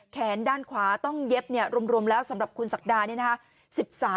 แขนด้านขวาต้องเย็บรวมแล้วสำหรับคุณศักดานี่นะคะ